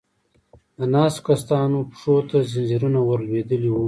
د ناستو کسانو پښو ته ځنځيرونه ور لوېدلې و.